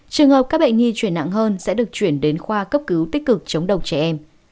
trường hợp các bệnh nhi chuyển nặng hơn sẽ được chuyển đến khoa cấp cứu tích cực chống độc trẻ em